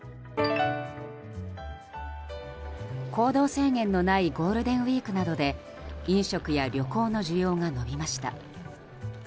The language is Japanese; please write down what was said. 行動制限のないゴールデンウィークなどで飲食や旅行の需要が伸びました。